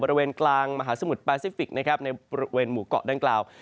ทางกลางมหาสมุทรปาซิฟิกในบริเวณหมู่เกาะด้านกล่าว